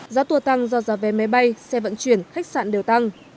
giá tour tăng do giá vé máy bay xe vận chuyển khách sạn đều tăng